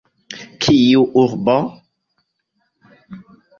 Kiu urbo?